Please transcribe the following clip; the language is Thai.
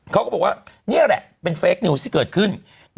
เขาก็บอกว่านี่แหละเป็นเฟคนิวส์ที่เกิดขึ้น